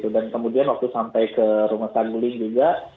dan kemudian waktu sampai ke rumah tangguling juga